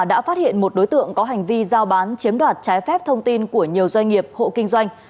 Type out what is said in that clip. đã phát hiện một đối tượng có hành vi giao bán chiếm đoạt trái phép thông tin của nhiều doanh nghiệp hộ kinh doanh